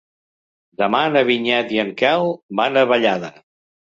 Demà na Vinyet i en Quel van a Vallada.